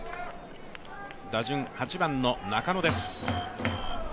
打順、８番の中野です。